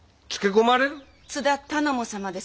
津田頼母様ですよ。